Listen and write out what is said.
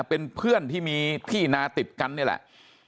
เป็นเพื่อนที่มีที่นาติดกันนี่แหละ